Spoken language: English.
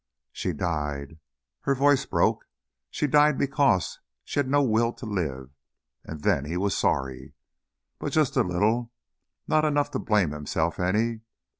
She died " her voice broke "she died, because she had no will to live, and then he was sorry. But just a little, not enough to blame himself any.